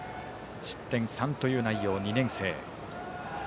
失点３という内容、２年生。